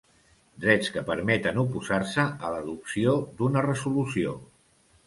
Drets que permeten oposar-se a l'adopció d'una resolució.